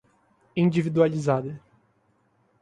individualizada